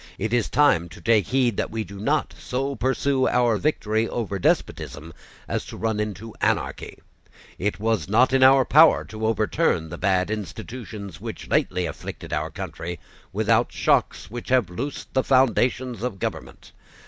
It is time to take heed that we do not so pursue our victory over despotism as to run into anarchy. It was not in our power to overturn the bad institutions which lately afflicted our country, without shocks which have loosened the foundations of government.